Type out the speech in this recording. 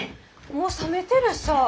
もう冷めてるさぁ。